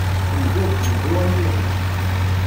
Ndu, ndu ay iɣi.